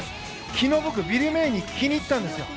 昨日、僕、ビル・メイに聞きに行ったんですよ。